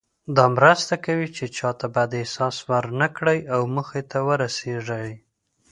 دا مرسته کوي چې چاته بد احساس ورنه کړئ او موخې ته ورسیږئ.